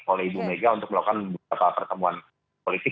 oleh ibu mega untuk melakukan beberapa pertemuan politik